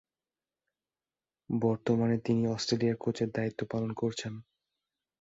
বর্তমানে তিনি অস্ট্রেলিয়ায় কোচের দায়িত্ব পালন করছেন।